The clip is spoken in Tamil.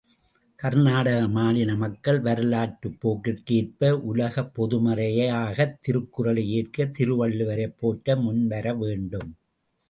கர்நாடக மாநில மக்கள் வரலாற்றுப் போக்கிற்கு ஏற்ப, உலகப்பொதுமறையாகத் திருக்குறளை ஏற்க, திருவள்ளுவரைப் போற்ற முன் வரவேண்டும்.